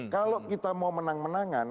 kalau kita mau menang menangan